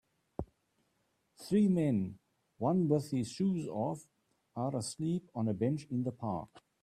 Three men, one with his shoes off, are asleep on a bench in the park.